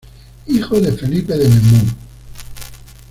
Hijo de Felipe de Nemours.